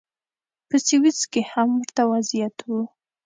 په سویس کې هم ورته وضعیت و.